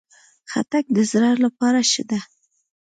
خټکی د زړه لپاره ښه ده.